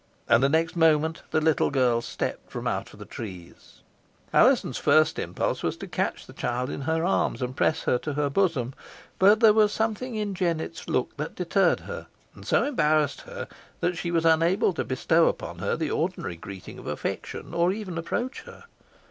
And the next moment the little girl stepped from out the trees. Alizon's first impulse was to catch the child in her arms, and press her to her bosom; but there was something in Jennet's look that deterred her, and so embarrassed her, that she was unable to bestow upon her the ordinary greeting of affection, or even approach her.